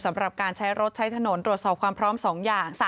สำหรับการใช้รถใช้ถนนตรวจสอบความพร้อม๒อย่าง